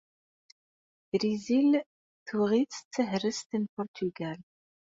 Brizil tuɣ-itt d tahrest n Purtugal.